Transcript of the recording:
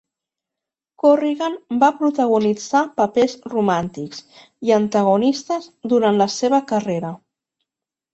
Corrigan va protagonitzar papers romàntics i antagonistes durant la seva carrera.